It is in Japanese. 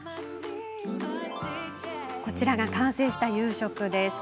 こちらが完成した夕食です。